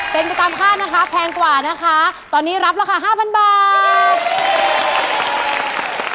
เป็นไปตามค่านะคะแพงกว่านะคะตอนนี้รับราคา๕๐๐บาท